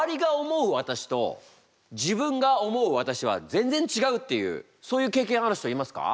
私と自分が思う私は全然違うっていうそういう経験ある人いますか？